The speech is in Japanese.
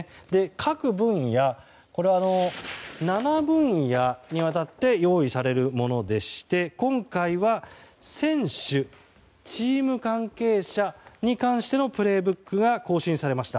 各分野、７分野にわたって用意されるものでして今回は選手・チーム関係者に関しての「プレイブック」が更新されました。